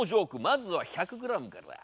まずは１００ｇから。